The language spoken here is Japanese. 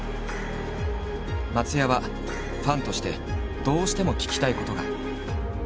松也はファンとしてどうしても聞きたいことが。